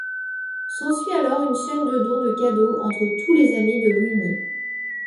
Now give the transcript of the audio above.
S'ensuit alors une chaîne de don de cadeaux entre tous les amis de Winnie.